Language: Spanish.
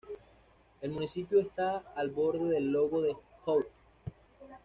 El municipio está al borde del lago de Joux.